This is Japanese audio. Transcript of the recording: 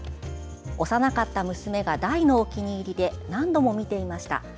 幼かった娘が大のお気に入りで何度も見ていました。